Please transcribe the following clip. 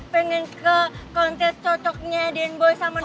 pengen ke kontes cocoknya dane boy sama nore